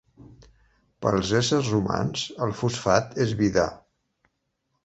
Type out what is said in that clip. Pels éssers humans el fosfat és vida.